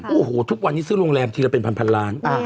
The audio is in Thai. โอ้โหทุกวันนี้ซื้อโรงแรมทีละเป็นพันล้าน